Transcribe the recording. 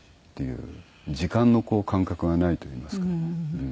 時間の感覚がないといいますか。